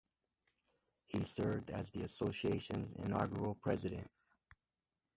He served as the association's inaugural President.